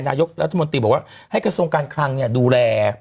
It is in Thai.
นายกรัฐมนตรีบอกว่าให้กระทรวงการคลังดูแล